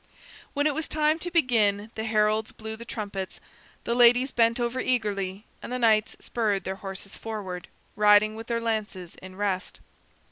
When it was time to begin the heralds blew the trumpets, the ladies bent over eagerly, and the knights spurred their horses forward, riding with their lances in rest.